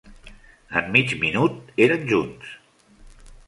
En mig minut eren junts.